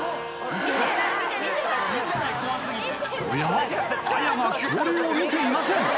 おやＡＹＡが恐竜を見ていません